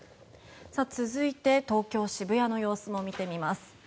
続いて東京・渋谷の様子も見てみます。